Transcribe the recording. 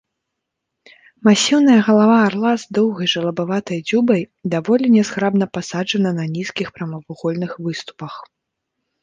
Масіўная галава арла з доўгай жалабаватай дзюбай даволі нязграбна пасаджана на нізкіх прамавугольных выступах.